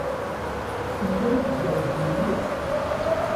Tellam tgerrzem mliḥ.